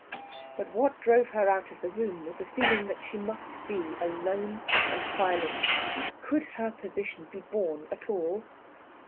But what drove her out of the room was a feeling that she must be alone and silent. Could her position be borne at all?